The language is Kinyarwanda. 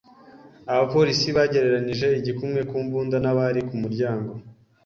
Abapolisi bagereranije igikumwe ku mbunda n’abari ku muryango.